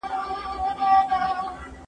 زه به مځکي ته کتلې وي؟!